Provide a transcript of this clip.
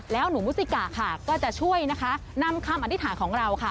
แล้วหนูมุสิกะค่ะก็จะช่วยนะคะนำคำอธิษฐานของเราค่ะ